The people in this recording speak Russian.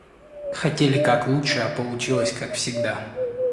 Хотели как лучше, а получилось как всегда